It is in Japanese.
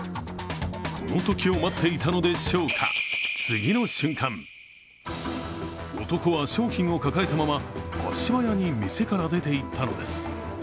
このときを待っていたのでしょうか、次の瞬間男は商品を抱えたまま、足早に店から出ていったのです。